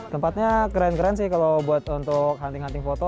tempatnya keren keren sih kalau buat untuk hunting hunting foto